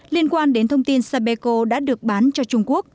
liên quan đến thông tin sapeco đã được bán cho trung quốc